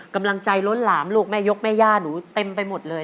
กำลังใจล้นหลามลูกแม่ยกแม่ย่าหนูเต็มไปหมดเลย